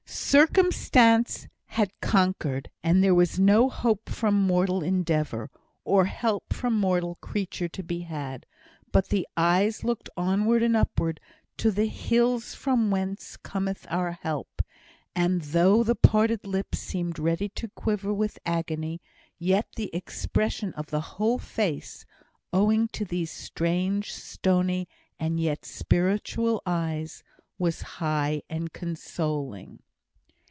Circumstance had conquered; and there was no hope from mortal endeavour, or help from mortal creature to be had. But the eyes looked onward and upward to the "Hills from whence cometh our help." And though the parted lips seemed ready to quiver with agony, yet the expression of the whole face, owing to these strange, stony, and yet spiritual eyes, was high and consoling.